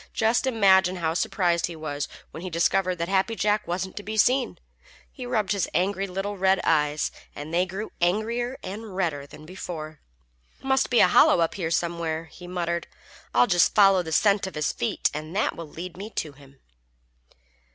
Just imagine how surprised he was when he discovered that Happy Jack wasn't to be seen. He rubbed his angry little red eyes, and they grew angrier and redder than before. "Must be a hollow up here somewhere," he muttered. "I'll just follow the scent of his feet, and that will lead me to him."